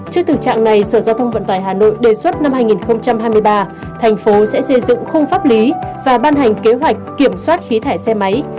trước thực trạng này sở giao thông vận tải hà nội đề xuất năm hai nghìn hai mươi ba thành phố sẽ xây dựng khung pháp lý và ban hành kế hoạch kiểm soát khí thải xe máy